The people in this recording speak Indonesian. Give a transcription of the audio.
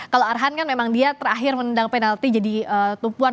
kalau arhan kan memang dia terakhir menendang penalti jadi tumpuan